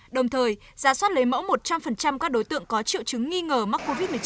đồng thời giả soát lấy mẫu một trăm linh các đối tượng có triệu chứng nghi ngờ mắc covid một mươi chín